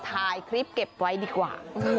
ถ่ายคลิปเก็บไว้ดีกว่า